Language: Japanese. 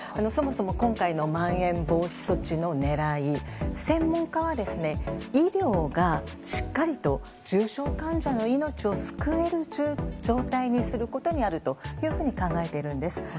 そもそも、今回のまん延防止措置の狙い専門家は、医療がしっかりと重症患者の命を救える状態にすることにあるというふうに考えているんです。